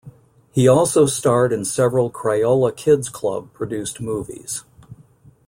He also starred in several Crayola Kids' Club-produced movies.